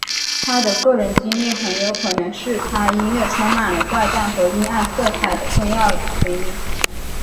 他的个人经历很有可能是他音乐充满了怪诞和阴暗色彩的重要原因。